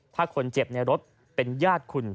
ถ้าคนเจ็บในรถเป็นญาติคุณ